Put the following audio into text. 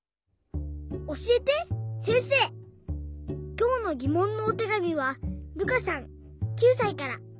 きょうのぎもんのおてがみはるかさん９さいから。